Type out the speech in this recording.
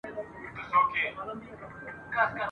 د هېواد ساتنه پر ټولو فرض ده.